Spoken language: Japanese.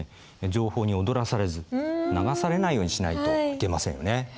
情報に踊らされず流されないようにしないといけませんよね。